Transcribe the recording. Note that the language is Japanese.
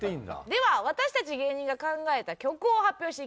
では私たち芸人が考えた虚構を発表していきましょう。